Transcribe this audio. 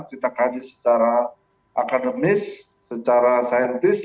kita kaji secara akademis secara saintis